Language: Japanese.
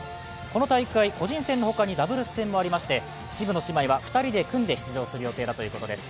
この大会、個人戦のほかにダブルス戦もありまして、渋野姉妹は２人で組んで出場する予定だということです。